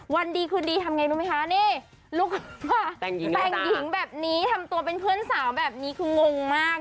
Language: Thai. วันดีคืนดีทำไงรู้ไหมคะนี่ลูกแต่งหญิงแบบนี้ทำตัวเป็นเพื่อนสาวแบบนี้คืองงมาก